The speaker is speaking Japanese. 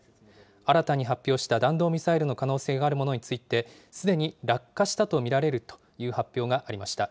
新たに発表した弾道ミサイルの可能性があるものについて、すでに落下したと見られるという発表がありました。